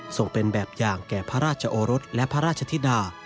ส่งเป็นแบบอย่างแก่พระราชโอรสและพระราชธิดา